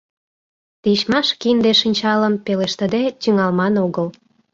— Тичмаш кинде-шинчалым пелештыде тӱҥалман огыл.